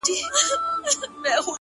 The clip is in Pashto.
نور دي دسترگو په كتاب كي;